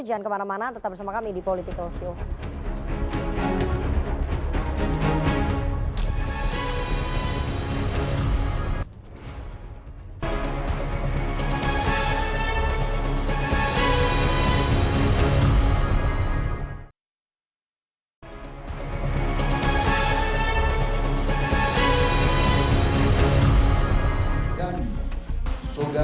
jangan kemana mana tetap bersama kami di political show